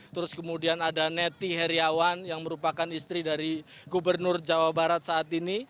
terus kemudian ada neti heriawan yang merupakan istri dari gubernur jawa barat saat ini